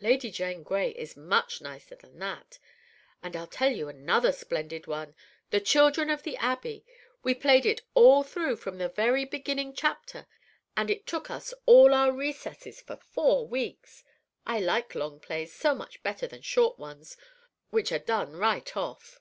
Lady Jane Grey is much nicer than that. And I'll tell you another splendid one, 'The Children of the Abbey.' We played it all through from the very beginning chapter, and it took us all our recesses for four weeks. I like long plays so much better than short ones which are done right off."